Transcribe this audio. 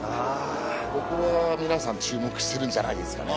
ここは皆さん注目してるんじゃないですかね。